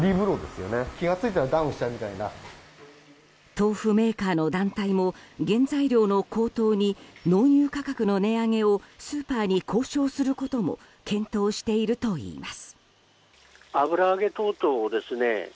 豆腐メーカーの団体も原材料の高騰に納入価格の値上げをスーパーに交渉することも検討しているといいます。